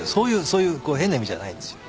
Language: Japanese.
そういう変な意味じゃないんですよ。